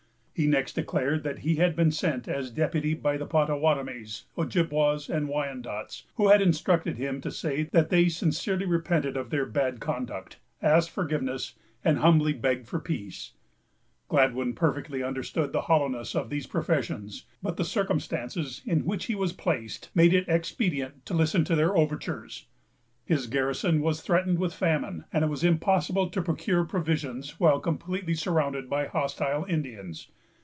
He next declared that he had been sent as deputy by the Pottawattamies, Ojibwas, and Wyandots, who had instructed him to say that they sincerely repented of their bad conduct, asked forgiveness, and humbly begged for peace. Gladwyn perfectly understood the hollowness of these professions, but the circumstances in which he was placed made it expedient to listen to their overtures. His garrison was threatened with famine, and it was impossible to procure provisions while completely surrounded by hostile Indians.